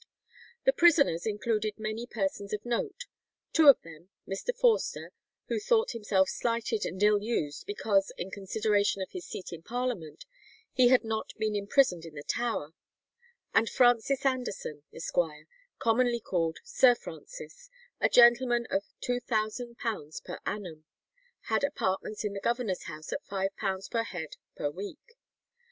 The prisoners included many persons of note. Two of them—Mr. Forster, who thought himself slighted and ill used because, in consideration of his seat in Parliament, he had not been imprisoned in the Tower; and Francis Anderson, esquire, commonly called Sir Francis, a gentleman of £2,000 per annum—had apartments in the governor's house at £5 per head per week.